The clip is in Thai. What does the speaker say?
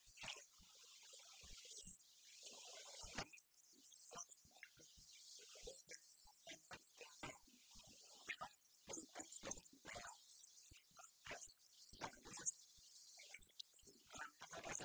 ครับ